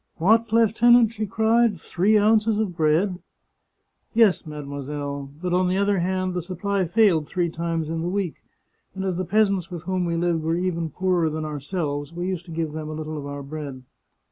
' What, lieutenant !' she cried, ' three ounces of bread ?'"* Yes, mademoiselle. But, on the other hand, the 5 The Chartreuse of Parma supply failed three times in the week, and as the peasants with whom we lived were even poorer than ourselves, we used to give them a little of our bread.'